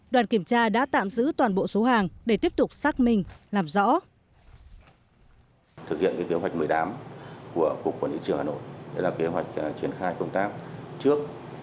đoàn kiểm tra đã tạm giữ toàn bộ số hàng để tiếp tục xác minh làm rõ